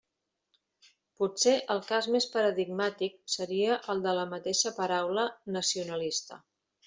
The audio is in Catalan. Potser el cas més paradigmàtic seria el de la mateixa paraula «nacionalista».